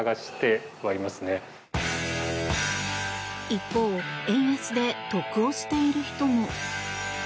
一方円安で得をしている人も。